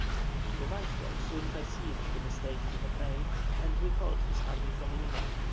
The Viceroy soon perceived the mistake he had made, and recalled his army from Lima.